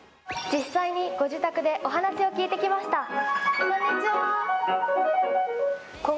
実際にご自宅でお話を聞いてきました。